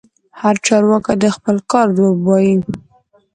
هر چارواکي د خپل کار ځواب وايي.